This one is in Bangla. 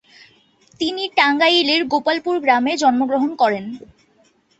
তিনি টাঙ্গাইলের গোপালপুর গ্রামে জন্মগ্রহণ করেন।